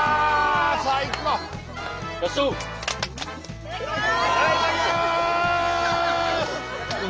いただきます！